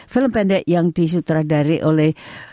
film pendek yang disutradari oleh